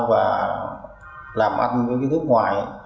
và làm ăn với nước ngoài